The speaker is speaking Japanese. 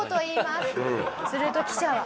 すると記者は。